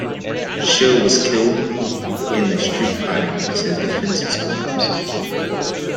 Schill was killed in the street fighting as his defenses collapsed.